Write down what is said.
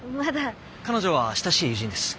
彼女は親しい友人です。